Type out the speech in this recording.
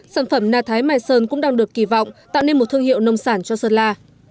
sản phẩm na thái mai sơn cũng đang được kỳ vọng tạo nên một thương hiệu nông sản cho sơn la